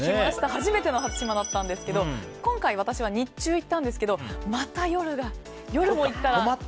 初めての初島だったんですけど今回、私は日中、行ったんですけどまた夜も行ったら。